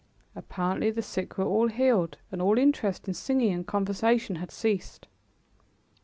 Apparently the sick were all healed and all interest in singing and conversation had ceased.